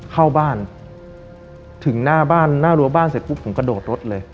เข้าบ้านถึงหน้าบ้านหน้ารั้วบ้านเสร็จปุ๊บผมกระโดดรถเลย